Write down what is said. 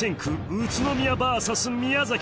宇都宮ｖｓ宮崎